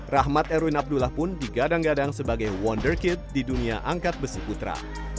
rahmat erwin abdullah pun digadang gadang sebagai wonder kit di dunia angkat besi putra